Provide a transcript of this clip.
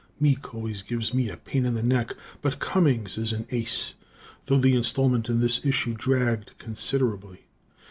Meek always gives me a pain in the neck, but Cummings is an ace, though the installment in this issue dragged considerably.